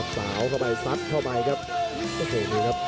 สาวเข้าไปสัดเข้าไปครับ